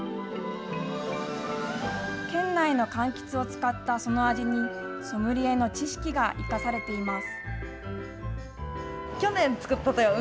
県内のかんきつを使ったその味に、ソムリエの知識が生かされています。